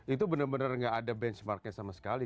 itu bener bener gak ada benchmarknya sama sekali